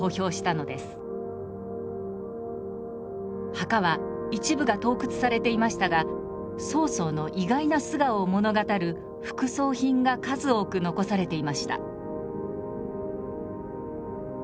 墓は一部が盗掘されていましたが曹操の意外な素顔を物語る副葬品が数多く残されていました。